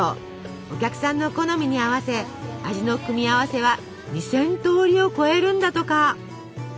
お客さんの好みに合わせ味の組み合わせは２，０００通りを超えるんだとか。